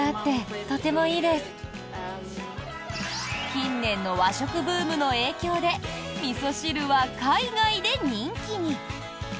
近年の和食ブームの影響でみそ汁は海外で人気に。